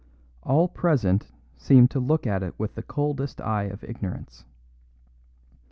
All present seemed to look at it with the coldest eye of ignorance.